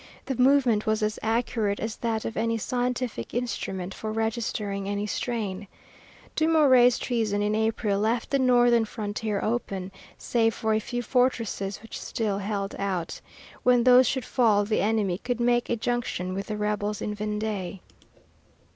The movement was as accurate as that of any scientific instrument for registering any strain. Dumouriez's treason in April left the northern frontier open, save for a few fortresses which still held out. When those should fall the enemy could make a junction with the rebels in Vendée.